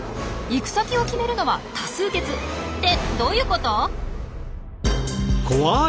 行く先を決めるのは多数決！ってどういうこと！？